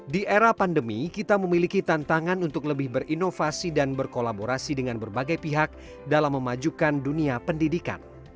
di era pandemi kita memiliki tantangan untuk lebih berinovasi dan berkolaborasi dengan berbagai pihak dalam memajukan dunia pendidikan